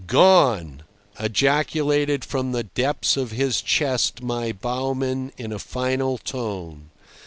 "Gone!" ejaculated from the depths of his chest my bowman in a final tone.